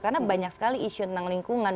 karena banyak sekali isu tentang lingkungan